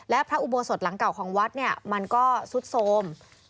และพระอุโบสถหลังเก่าของวัดเนี่ยมันก็ซุดโทรม